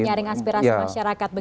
menyaring aspirasi masyarakat begitu ya